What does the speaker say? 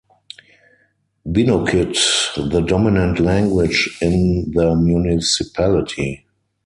Binukid the dominant language in the municipality.